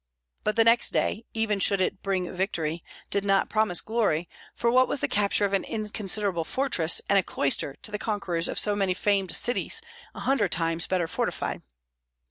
But the next day, even should it bring victory, did not promise glory; for what was the capture of an inconsiderable fortress and a cloister to the conquerors of so many famed cities, a hundred times better fortified?